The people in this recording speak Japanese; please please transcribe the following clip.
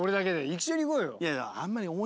一緒に行こうよ。